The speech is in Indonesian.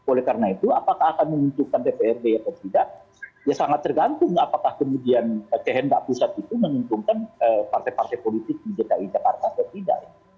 oleh karena itu apakah akan menguntungkan dprd atau tidak ya sangat tergantung apakah kemudian kehendak pusat itu menguntungkan partai partai politik di dki jakarta atau tidak